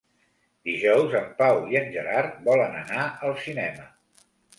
Dijous en Pau i en Gerard volen anar al cinema.